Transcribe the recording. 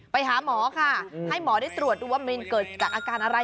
ไปหาหมอค่ะให้หมอได้ตรวจดูว่าเมนเกิดจากอาการอะไร